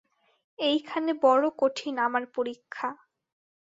এইখানে বড়ো কঠিন আমার পরীক্ষা।